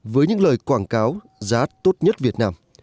với những lời quảng cáo giá tốt nhất việt nam